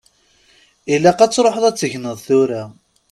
Ilaq ad tṛuḥeḍ ad tegneḍ tura.